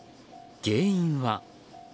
原因は。